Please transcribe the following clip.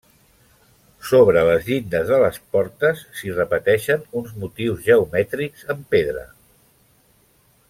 Sobre les llindes de les portes s'hi repeteixen uns motius geomètrics en pedra.